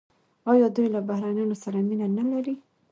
آیا دوی له بهرنیانو سره مینه نلري؟